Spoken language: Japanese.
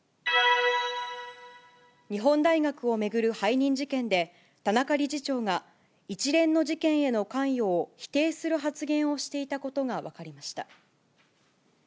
日本大学を巡る背任事件で、田中理事長が一連の事件への関与を否定する発言をしていたことが分かりました。